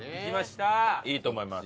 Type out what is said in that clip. いいと思います。